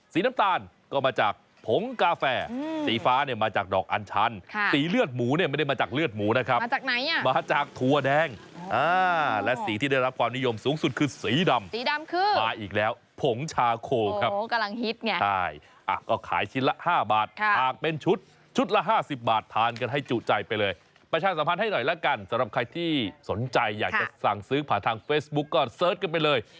สรรพาฟันให้หน่อยละกันสำหรับใครที่สนใจอยากจะสั่งซื้อผ่าทางเฟซบุ๊กก็เสิร์ชกันไปเลย